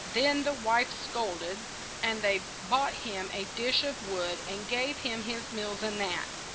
Then the wife scold ed, and they bought him a dish of wood, and gave him his meals in that.